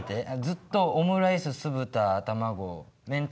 ずっとオムライス酢豚卵めん